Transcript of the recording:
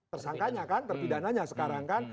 tersangkanya kan terpidananya sekarang kan